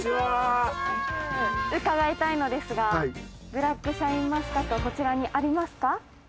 伺いたいのですがブラックシャインマスカットはこちらにありますか？